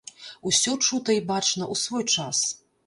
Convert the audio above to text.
Усё чута й бачана ў свой час.